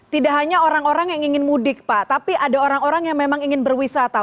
tidak hanya orang orang yang ingin mudik pak tapi ada orang orang yang memang ingin berwisata